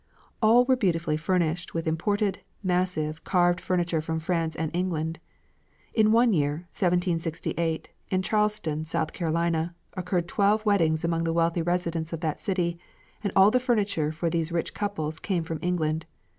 All were beautifully furnished with imported, massive, carved furniture from France and England. In one year, 1768, in Charlestown, South Carolina, occurred twelve weddings among the wealthy residents of that city, and all the furniture for these rich couples came from England.